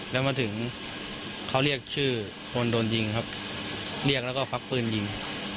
แล้วมาถึงเขาเรียกชื่อคนโดนยิงครับเรียกแล้วก็ควักปืนยิง